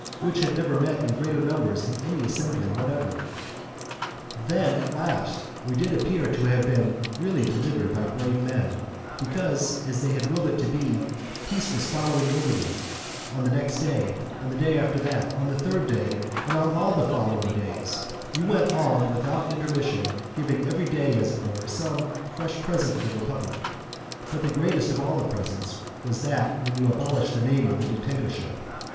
which had never met in greater numbers in any assembly whatever. Then, at last, we did appear to have been really delivered by brave men, because, as they had willed it to be, peace was following liberty On the next day, on the day after that, on the third day, and on all the following days, you went on without intermission giving every day, as it were, some fresh present to the republic, but the greatest of all presents was that, when you abolished the name of the dictatorship.